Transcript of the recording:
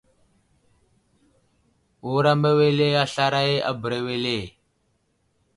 Wuram awele a slaray a bəra wele ?